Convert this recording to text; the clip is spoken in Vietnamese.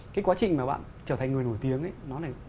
cái quá trình mà bạn trở thành người nổi tiếng ấy